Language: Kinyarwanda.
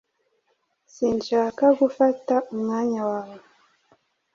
Sinshaka gufata umwanya wawe.